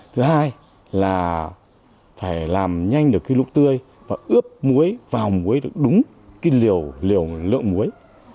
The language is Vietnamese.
thứ hai là phải làm nhanh được cái lúc tươi và ướp muối vào muối được đúng cái liều liều lượng muối